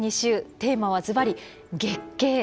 テーマはずばり「月経」です。